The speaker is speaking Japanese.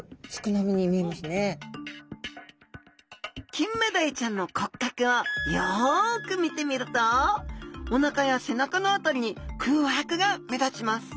キンメダイちゃんの骨格をよく見てみるとおなかや背中の辺りに空白が目立ちます